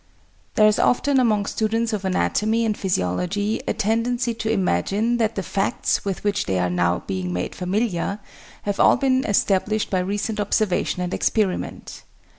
There is often among students of anatomy and physiology a tendency to imagine that the facts with which they are now being made familiar have all been established by recent observation and experiment.